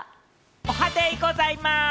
おはデイございます！